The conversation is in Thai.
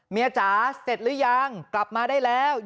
จ๋าเสร็จหรือยังกลับมาได้แล้ว